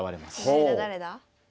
誰だ誰だ？